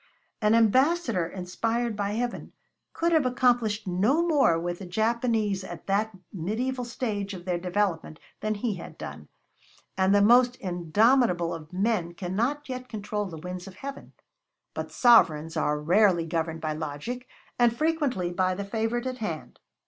An ambassador inspired by heaven could have accomplished no more with the Japanese at that mediaeval stage of their development than he had done, and the most indomitable of men cannot yet control the winds of heaven; but sovereigns are rarely governed by logic, and frequently by the favorite at hand.